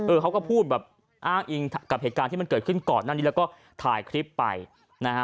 เขาก็พูดแบบอ้างอิงกับเหตุการณ์ที่มันเกิดขึ้นก่อนหน้านี้แล้วก็ถ่ายคลิปไปนะฮะ